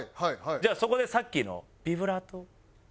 じゃあそこでさっきのビブラート。